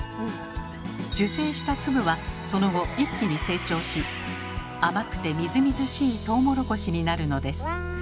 受精した粒はその後一気に成長し甘くてみずみずしいトウモロコシになるのです。